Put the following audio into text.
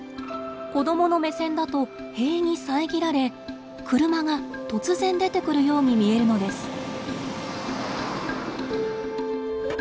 子どもの目線だと塀に遮られ車が突然出てくるように見えるのです。